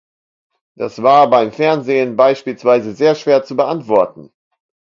Das war beim Fernsehen beispielsweise sehr schwer zu beantworten.